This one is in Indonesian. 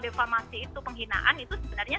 refarmasi itu penghinaan itu sebenarnya